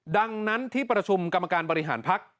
ดังนั้นที่ประชุมกรรมการบริหารพัก